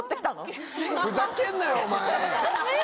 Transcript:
ふざけんなよお前！